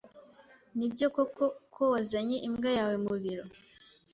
Nibyo koko ko wazanye imbwa yawe mubiro?